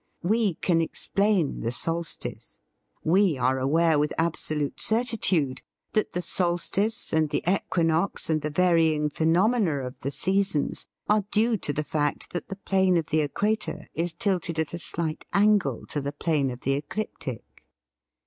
We can explain the solstice. We are aware with absolute certitude that the solstice and the equinox and the varying phenomena of the seasons are due to the fact that the plane of the equator is tilted at a slight angle to the plane of the ecliptic.